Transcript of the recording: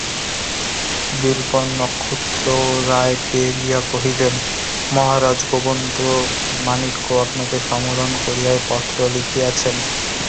বিল্বন নক্ষত্ররায়কে গিয়া কহিলেন, মহারাজ গোবিন্দমাণিক্য আপনাকে সমরণ করিয়া এই পত্র লিখিয়াছেন।